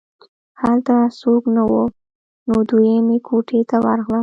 هلته څوک نه وو نو دویمې کوټې ته ورغلم